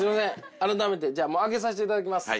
あらためて開けさせていただきます。